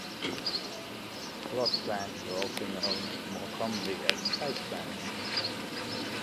Plot plans are also known more commonly as site plans.